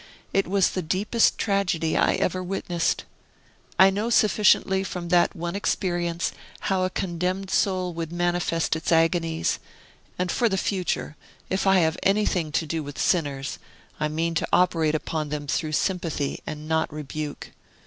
It was the deepest tragedy I ever witnessed. I know sufficiently, from that one experience, how a condemned soul would manifest its agonies; and for the future, if I have anything to do with sinners, I mean to operate upon them through sympathy, and not rebuke.